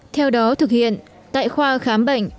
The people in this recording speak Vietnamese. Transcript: theo đó thực hiện tại khoa khám bệnh